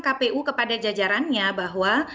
kpu kepada jajarannya bahwa